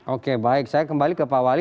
oke baik saya kembali ke pak wali